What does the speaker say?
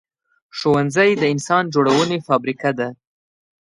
ښوونځی د انسان جوړونې فابریکه ده